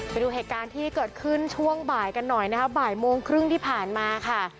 ไปดูเหตุการณ์ที่เกิดขึ้นช่วงบ่ายกันหน่อยนะคะบ่ายโมงครึ่งที่ผ่านมาค่ะ